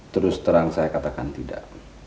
terus terang saya katakan tidak